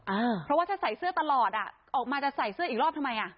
อ่าเพราะว่าถ้าใส่เสื้อตลอดอ่ะออกมาจะใส่เสื้ออีกรอบทำไมอ่ะ